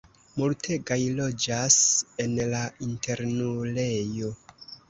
Multegaj loĝas en la internulejo.